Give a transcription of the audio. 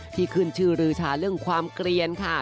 ที่ขึ้นชื่อรือชาเลืองความเกรียญค่ะ